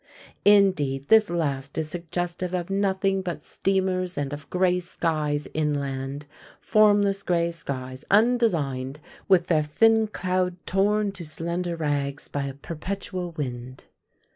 Indeed, this last is suggestive of nothing but steamers and of grey skies inland formless grey skies, undesigned, with their thin cloud torn to slender rags by a perpetual wind.